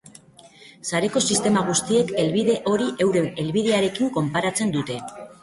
Sareko sistema guztiek helbide hori euren helbidearekin konparatzen dute.